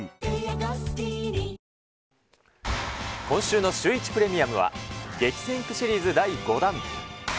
今週のシュー１プレミアムは激戦区シリーズ第５弾。